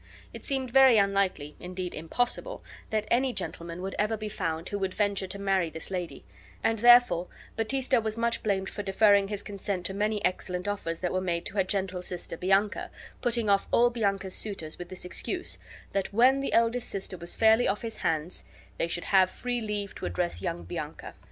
It seemed very unlikely, indeed impossible, that any gentleman would ever be found who would venture to marry this lady, and therefore Baptista was much blamed for deferring his consent to many excellent offers that were made to her gentle sister Bianca, putting off all Bianca's suitors with this excuse, that when the eldest sister was fairly off his bands they should have free leave to address young Bianca.